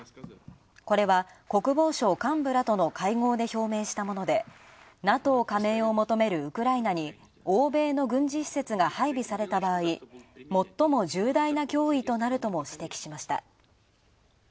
これは国防省幹部との会合で表明したもので、ＮＡＴＯ加盟を求めるウクライナに欧米の軍事施設が配備された場合、もっとも重大な脅威となるとも指摘しました。